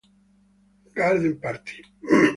Garden Party